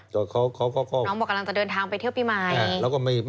แต่น้องบอกกำลังจะเดินทางไปเที่ยวปีใหม่